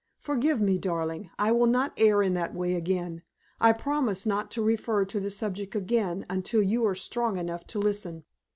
Forgive me, darling. I will not err in that way again. I promise not to refer to the subject again until you are strong enough to listen."